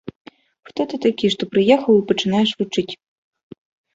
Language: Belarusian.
Хто ты такі, што прыехаў і пачынаеш вучыць.